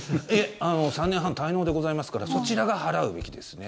３年半滞納でございますからそちらが払うべきですね。